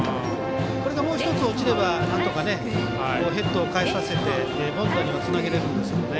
これがもう１つ落ちればなんとかヘッドを返させて凡打にもつなげれるんですけどね。